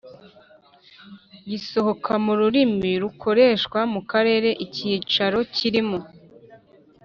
gisohoka mu rurimi rukoreshwa mu karere icyicaro kirimo